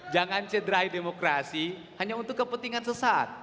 jangan cederai demokrasi hanya untuk kepentingan sesat